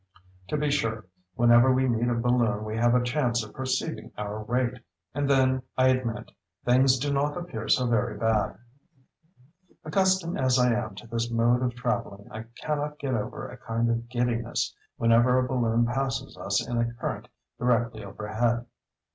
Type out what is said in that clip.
To be sure, whenever we meet a balloon we have a chance of perceiving our rate, and then, I admit, things do not appear so very bad. Accustomed as I am to this mode of travelling, I cannot get over a kind of giddiness whenever a balloon passes us in a current directly overhead.